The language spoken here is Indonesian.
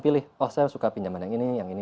pilih oh saya suka pinjaman yang ini yang ini